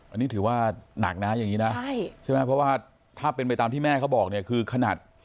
อันนี้ถือว่าหนักนะอย่างนี้นะใช่ไหมเพราะว่าถ้าเป็นไปตามที่แม่เขาบอกเนี่ยคือขนาด